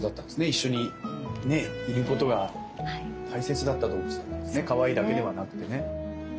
一緒にねいることが大切だった動物だったんですねかわいいだけではなくてね。